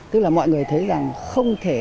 tức là mọi người thấy rằng không thể